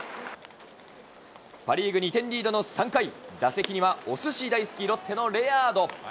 パ・リーグ２点リードの３回、打席にはおすし大好き、ロッテのレアード。